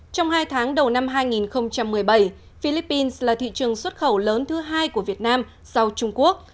trong hai tháng đầu năm hai nghìn một mươi bảy philippines là thị trường xuất khẩu lớn thứ hai của việt nam sau trung quốc